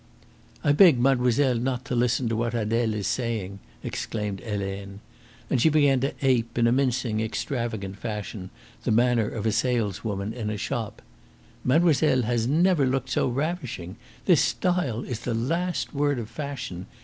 "I beg mademoiselle not to listen to what Adele is saying," exclaimed Helene. And she began to ape in a mincing, extravagant fashion the manner of a saleswoman in a shop. "Mademoiselle has never looked so ravishing. This style is the last word of fashion.